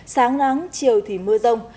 sáng nắng chiều thì mưa rông